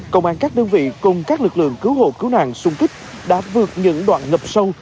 công an các đơn vị cùng các lực lượng cứu hộ cứu nạn xung kích đã vượt những đoạn ngập sâu